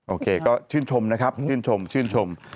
โอเคก็ชื่นชมนะครับชื่นชมชื่นชม